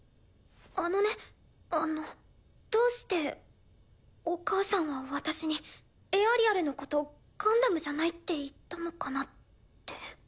あのねあのどうしてお母さんは私にエアリアルのことガンダムじゃないって言ったのかなって。